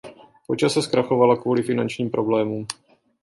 Po čase zkrachovala kvůli finančním problémům.